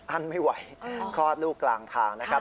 อันไม่ไหวก็ลูกกลางทางนะครับ